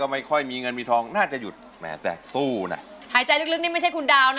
ถ้าสู้มีสิน๑แสนหรือเหลือ๔๐๐๐๐บาทนะครับคุณดาว